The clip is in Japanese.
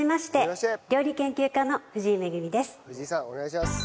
藤井さんお願いします。